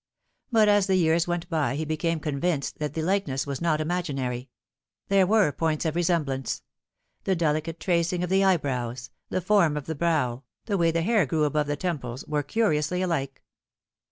But as the years went by he became convinced that the like ness was not imaginary. There were points of resemblance the delicate tracing of the eyebrows, the form of the brow, the way the hair grew above the temples, were curiously alike.